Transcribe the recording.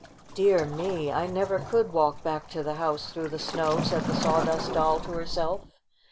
, "Dear me! I never could walk back to the house through the snow," said the Sawdust Doll to herself.